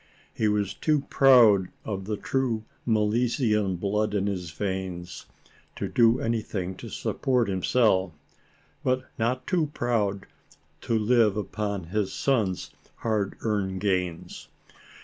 He was too proud of the true Milesian blood in his veins, to do anything to support himself; but not too proud to live upon his son's hard earned gains.